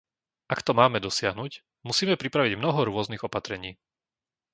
Ak to máme dosiahnuť, musíme pripraviť mnoho rôznych opatrení.